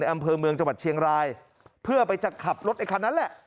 อำเภอเมืองจังหวัดเชียงรายเพื่อไปจะขับรถไอ้คันนั้นแหละ